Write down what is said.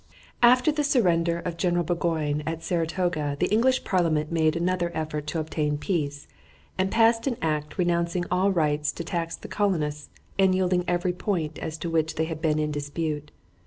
After the surrender of General Burgoyne at Saratoga the English Parliament made another effort to obtain peace, and passed an act renouncing all rights to tax the colonists and yielding every point as to which they had been in dispute.